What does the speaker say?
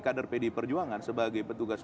kader pdi perjuangan sebagai petugas